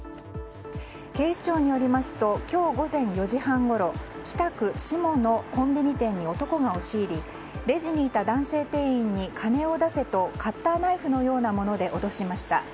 警視庁によりますと今日午前４時半ごろ北区志茂のコンビニ店に男が押し入りレジにいた男性店員に金を出せとカッターナイフのようなもので脅しました。